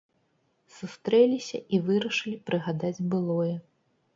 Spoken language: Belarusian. Сустрэліся, і вырашылі прыгадаць былое.